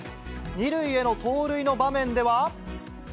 ２塁への盗塁の場面では。